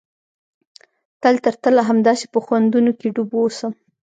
تل تر تله همداسې په خوندونو کښې ډوب واوسم.